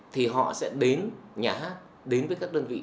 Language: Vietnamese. thì họ sẽ đến nhà hát đến với các đơn vị